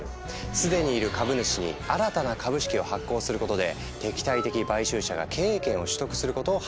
既にいる株主に新たな株式を発行することで敵対的買収者が経営権を取得することを阻むんだ。